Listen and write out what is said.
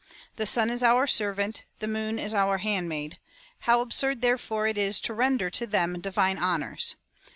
The sun is our servant ; the moon is our handmaid. How absurd, therefore, it is to render to them divine honours